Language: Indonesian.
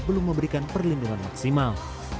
belum memberikan perlindungan maksimal